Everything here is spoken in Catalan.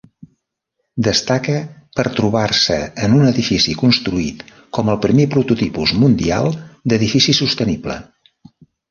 Destaca per trobar-se en un edifici construït com el primer prototipus mundial d'edifici sostenible.